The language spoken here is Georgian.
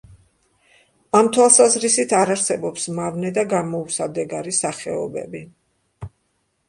ამ თვალსაზრისით არ არსებობს მავნე და გამოუსადეგარი სახეობები.